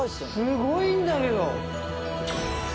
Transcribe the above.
すごいんだけど。